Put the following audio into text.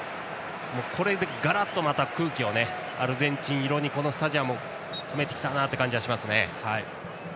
これでまたガラッと空気をアルゼンチン色にスタジアムを染めてきたなという感じがしますね。